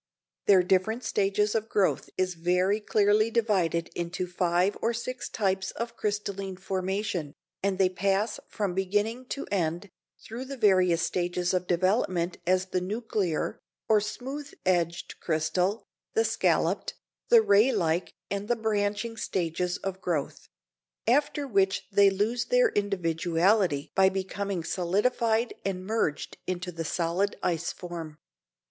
Their different stages of growth is very clearly divided into five or six types of crystalline formation, and they pass from beginning to end, through the various stages of development as the nuclear, or smooth edged crystal, the scalloped, the ray like and the branching stages of growth; after which they lose their individuality by becoming solidified and merged into the solid ice form.